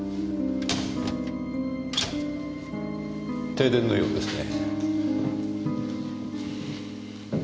停電のようですね。